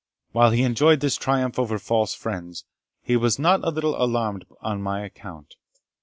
While he enjoyed this triumph over false friends, he was not a little alarmed on my account.